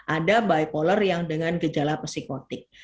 ada bipolar yang dengan gejala psikotik